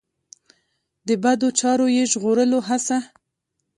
د بدو چارو یې ژغورلو هڅه.